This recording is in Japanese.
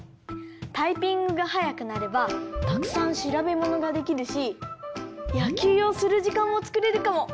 タイピングがはやくなればたくさんしらべものができるしやきゅうをするじかんもつくれるかも。